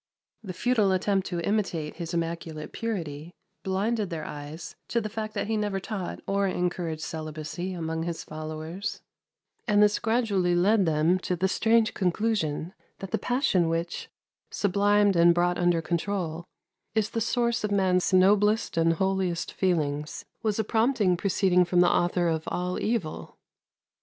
The futile attempt to imitate His immaculate purity blinded their eyes to the fact that He never taught or encouraged celibacy among His followers, and this gradually led them to the strange conclusion that the passion which, sublimed and brought under control, is the source of man's noblest and holiest feelings, was a prompting proceeding from the author of all evil.